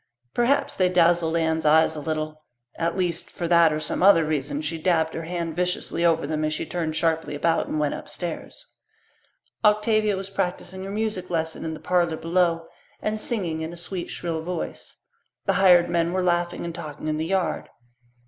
Perhaps they dazzled Anne's eyes a little; at least, for that or some other reason she dabbed her hand viciously over them as she turned sharply about and went upstairs. Octavia was practising her music lesson in the parlour below and singing in a sweet shrill voice. The hired men were laughing and talking in the yard.